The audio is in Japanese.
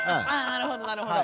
なるほどなるほど。